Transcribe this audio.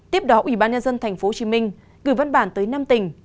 tiếp đó ủy ban nhân dân tp hcm gửi văn bản tới năm tỉnh